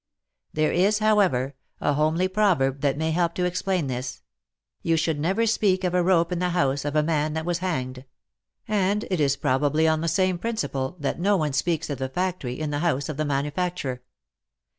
^ There is, however, a homely proverb that may help to explain this :" You should never speak of a rope in the house of a man that was hanged," and it is probably on the same principle, that no one speaks of the factory in the house of the manufacturer.